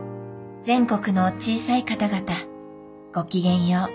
全国のお小さい方々ごきげんよう。